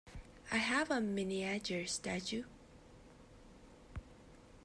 I have a miniature statue.